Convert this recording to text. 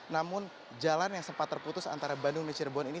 namun jalan yang sempat terputus antara bandung dan cirebon ini